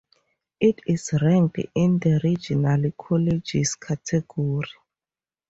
It is ranked in the "Regional Colleges" category.